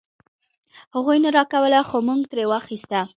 هغوی نه راکوله خو مونږ ترې واخيسته.